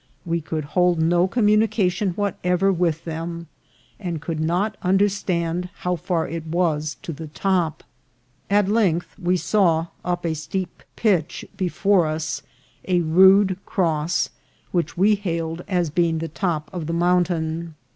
"We could hold no communication whatever with them, and could not understand how far it was to the top. At length we saw up a steep pitch before us a rude cross, which we hailed as being the top of the mountain.